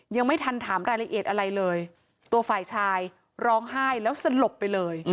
ยังไม่ทันถามรายละเอียดอะไรเลยตัวฝ่ายชายร้องไห้แล้วสลบไปเลย